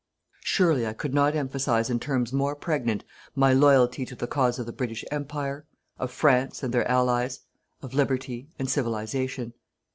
Surely I could not emphasize in terms more pregnant my loyalty to the cause of the British Empire, of France, and their Allies, of Liberty and Civilization.